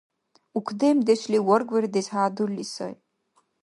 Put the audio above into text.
Уктемдешли варгвердес хӀядурли сай.